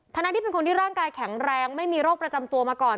ทั้งที่เป็นคนที่ร่างกายแข็งแรงไม่มีโรคประจำตัวมาก่อน